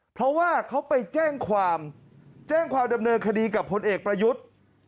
เพราะว่าเขาไปแจ้งความแจ้งความดำเนินคดีกับพลเอกประยุทธ์